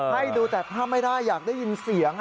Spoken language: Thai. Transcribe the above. ให้ดูแต่ถ้าไม่ได้อยากได้ยินเสียง